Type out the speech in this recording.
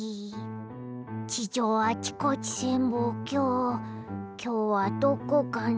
地上あちこち潜望鏡きょうはどこかな？